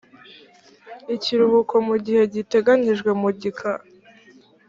ikiruhuko mu gihe giteganyijwe mu gika